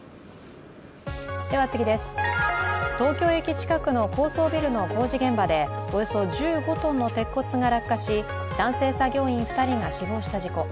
東京駅近くの高層ビルの工事現場でおよそ１５ｔの鉄骨が落下し男性作業員２人が死亡した事故。